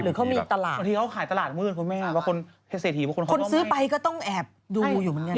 หรือเขามีตลาดบางทีเขาขายตลาดมือด้วยคนแม่ว่าคนเสถียร์คนซื้อไปก็ต้องแอบดูอยู่เหมือนกัน